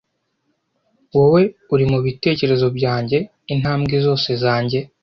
Wowe uri mubitekerezo byanjye intambwe zose zanjye.